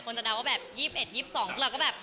คนจะเณ้าว่าแบบ๒๑๒๒ก็แบบ